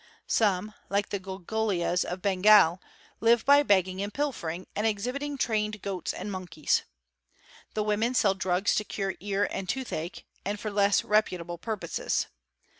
Some, like the Gulgulias of Bengal, live by begging and pilfering, and exhibiting trained goats and monkeys. The woman sell drugs to cure ear and tooth ache, and for less reputable purposes.